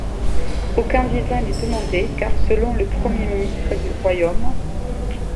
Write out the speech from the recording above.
Aucun visa n’est demandé car selon le premier ministre du royaume.